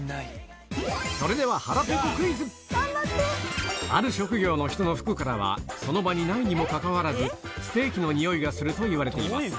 それではある職業の人の服からはその場にないにもかかわらずステーキのにおいがするといわれています